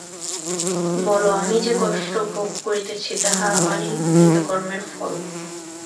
বল, আমি যে কষ্ট ভোগ করিতেছি, তাহা আমারই কৃতকর্মের ফল।